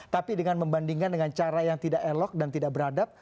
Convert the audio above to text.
tapi dengan membandingkan dengan cara yang tidak elok dan tidak beradab